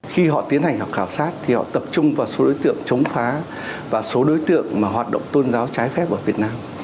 khi họ tiến hành khảo sát thì họ tập trung vào số đối tượng chống phá và số đối tượng mà hoạt động tôn giáo trái phép ở việt nam